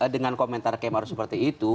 dengan komentar ki haji maruf seperti itu